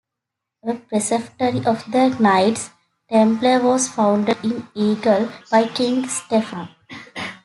A preceptory of the Knights Templar was founded in Eagle by King Stephen.